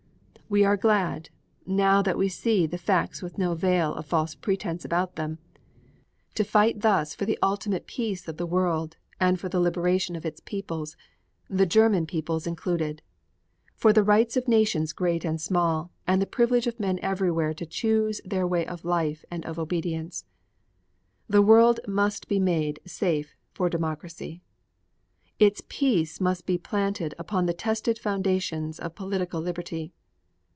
We are glad, now that we see the facts with no veil of false pretense about them, to fight thus for the ultimate peace of the world and for the liberation of its peoples, the German peoples included: for the rights of nations great and small and the privilege of men everywhere to choose their way of life and of obedience. The world must be made safe for democracy. Its peace must be planted upon the tested foundations of political liberty.